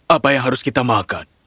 apa yang harus kita makan